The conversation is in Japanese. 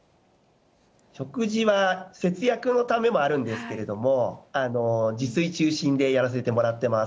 食事は節約のためもあるんですけども、自炊中心でやらせてもらってます。